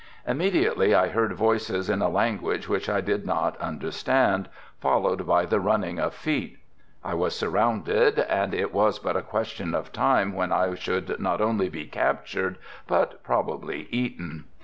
Immediately I heard voices in a language which I did not understand, followed by the running of feet. I was surrounded and it was but a question of time when I should not only be captured but probably eaten.